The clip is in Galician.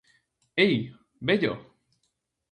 -Ei, vello!